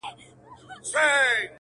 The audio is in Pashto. د دغه ښار ښکلي غزلي خیالوري غواړي~